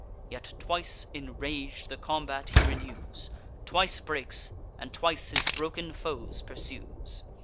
Yet twice, enrag'd, the combat he renews, Twice breaks, and twice his broken foes pursues.